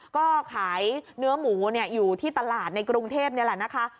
ก็ขายเนื้อหมูอยู่ที่ตลาดในกรุงเทพนี่แหละนะคะ